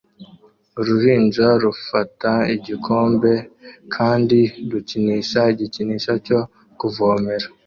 Uruhinja rufata igikombe kandi rukinisha igikinisho cyo kuvomera